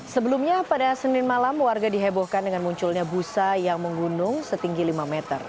sebelumnya pada senin malam warga dihebohkan dengan munculnya busa yang menggunung setinggi lima meter